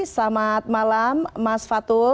selamat malam mas fatul